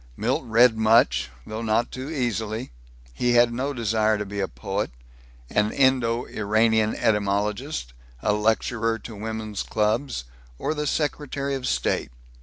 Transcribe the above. Milt read much, though not too easily. He had no desire to be a poet, an Indo Iranian etymologist, a lecturer to women's clubs, or the secretary of state.